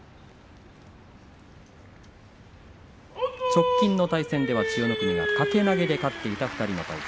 直近の対戦では千代の国が掛け投げで勝っていた２人の対戦。